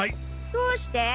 どうして？